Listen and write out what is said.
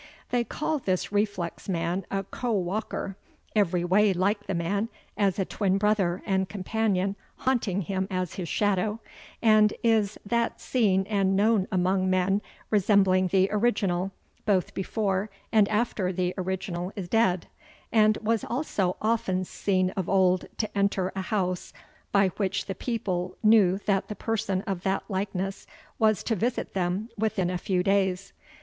They call this reflex man a Co Walker, every way like the man, as a twin brother and companion haunting him as his shadow, as is that seen and known among men resembling the originall, both before and after the originall is dead, and was also often seen of old to enter a hous, by which the people knew that the person of that liknes was to visit them within a few days.